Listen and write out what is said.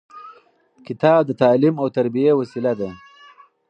کتاب د تعلیم او تربیې وسیله ده.